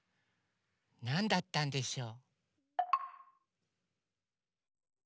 なんだったんでしょう？